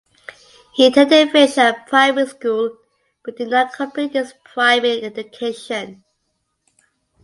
He attended Fengshan Primary School but did not complete his primary education.